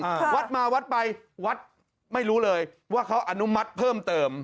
วัดมาวัดไปวัดไม่รู้เลยว่าเขาอนุมัติเพิ่มเติม